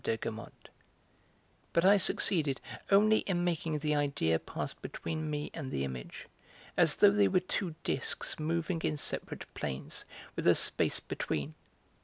de Guermantes"; but I succeeded only in making the idea pass between me and the image, as though they were two discs moving in separate planes, with a space between.